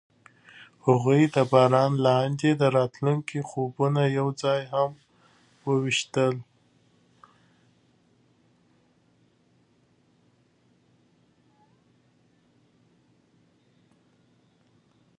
هغوی د باران لاندې د راتلونکي خوبونه یوځای هم وویشل.